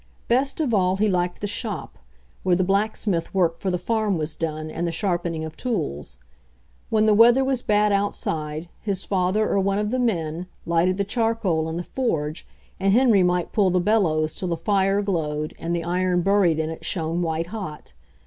I Best of all he liked the "shop," where the black I smith work for the farm was done and the sharp ening of tools. When the weather was bad out side his father or one of the men lighted the char coal in the forge and Henry might pull the bel lows till the fire glowed and the iron buried in it shone white hot.